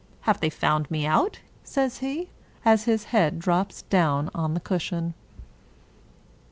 Have they found me out ?" says he, as his head drops down on the cushion.